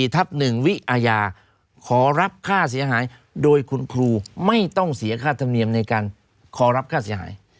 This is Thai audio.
วิอาญาขอรับค่าเสียหายโดยคุณครูไม่ต้องเสียค่าธรรมเนียมในการขอรับค่าเสียหาย